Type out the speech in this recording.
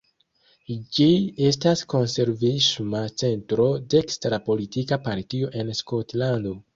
Ĝi estas konservisma centro-dekstra politika partio en Skotlando.